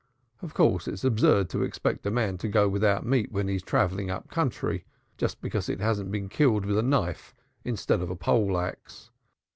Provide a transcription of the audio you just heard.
Of course it's absurd to expect a man to go without meat when he's travelling up country, just because it hasn't been killed with a knife instead of a pole axe.